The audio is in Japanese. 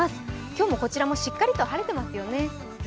今日もこちらもしっかりと晴れていますよね。